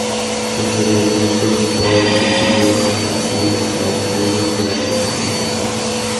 Posteriormente, sus obras se exhibieron en Brasil, Estados Unidos, Gran Bretaña y Japón.